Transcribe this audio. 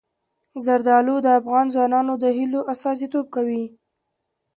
زردالو د افغان ځوانانو د هیلو استازیتوب کوي.